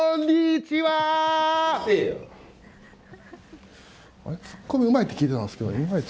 ツッコミうまいって聞いてたんですけど、いまいち。